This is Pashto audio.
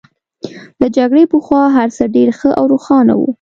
له جګړې پخوا هرڅه ډېر ښه او روښانه وو